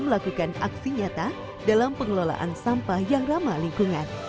melakukan aksi nyata dalam pengelolaan sampah yang ramah lingkungan